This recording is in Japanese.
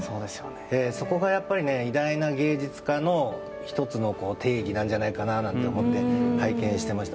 そこが、偉大な芸術家の１つの定義なんじゃないかと思って拝見していました。